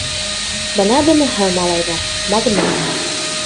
— Бына быныһы, малайҙар, магнолия.